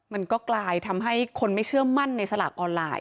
มันก็กลายทำให้คนไม่เชื่อมั่นในสลากออนไลน์